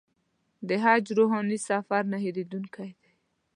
د حج روحاني سفر نه هېرېدونکی دی.